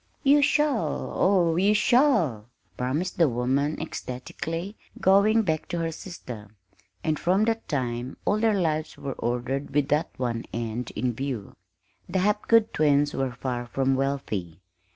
"You shall, oh, you shall!" promised the woman ecstatically, going back to her sister; and from that time all their lives were ordered with that one end in view. The Hapgood twins were far from wealthy.